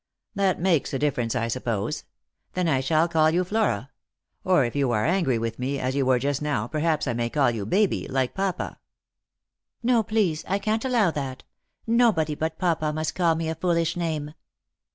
"That makes a difference, I suppose. Then I shall call you Flora ; or, if you are angry with me, as you were just now, per haps I may call you Baby, like papa." " No, please, I can't allow that ; nobody but papa must call me a foolish name."